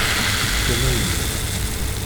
Ifka mayna.